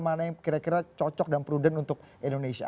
mana yang kira kira cocok dan prudent untuk indonesia